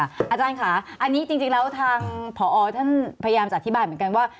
อาจารย์ค่ะอันนี้จริงแล้วทางผอท่านพยายามจะอธิบายเหมือนกันว่า